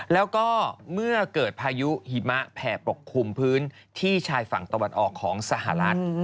แล้วก็เมื่อเกิดพายุหิมะแผ่ปกคลุมพื้นที่ชายฝั่งตะวันออกของสหรัฐ